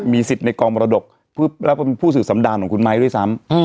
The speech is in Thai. สิทธิ์ในกองมรดกแล้วก็เป็นผู้สื่อสำดานของคุณไม้ด้วยซ้ำ